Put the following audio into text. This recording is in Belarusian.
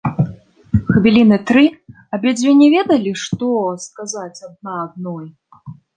Хвіліны тры абедзве не ведалі, што сказаць адна адной.